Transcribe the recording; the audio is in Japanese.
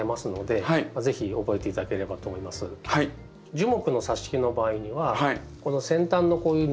樹木のさし木の場合にはこの先端のこういう緑色のですね